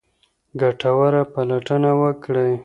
ګټوره پلټنه وکړئ.